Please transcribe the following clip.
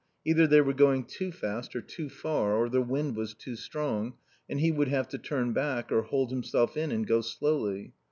Either they were going too fast or too far, or the wind was too strong; and he would have to turn back, or hold himself in and go slowly.